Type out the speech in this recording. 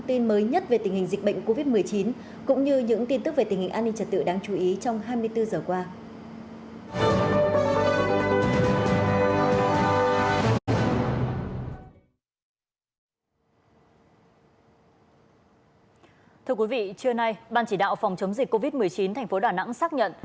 thưa quý vị trưa nay ban chỉ đạo phòng chống dịch covid một mươi chín tp đà nẵng xác nhận